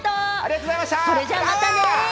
それじゃまたね。